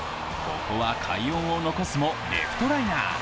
ここは快音を残すもレフトライナー。